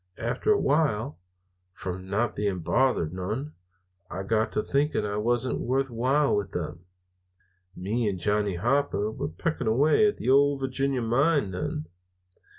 After a while, from not being bothered none, I got to thinking I wasn't worth while with them. "Me and Johnny Hooper were pecking away at the Ole Virginia mine then.